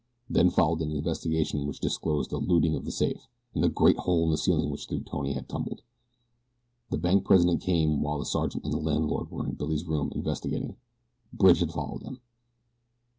Then followed an investigation which disclosed the looting of the safe, and the great hole in the ceiling through which Tony had tumbled. The bank president came while the sergeant and the landlord were in Billy's room investigating. Bridge had followed them.